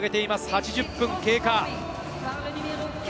８０分経過。